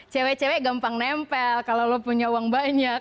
cewek cewek gampang nempel kalau lo punya uang banyak